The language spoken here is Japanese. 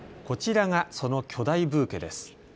こちらがその巨大ブーケです。